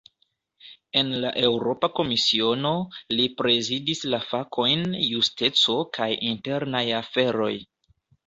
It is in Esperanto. En la Eŭropa Komisiono, li prezidis la fakojn "justeco kaj internaj aferoj".